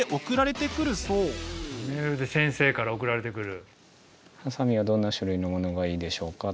メールで先生から送られてくる。